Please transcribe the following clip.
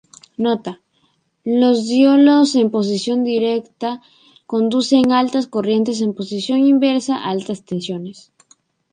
Nota:los diodos en posición directa conducen altas corrientes, en posición inversa alta tensiones.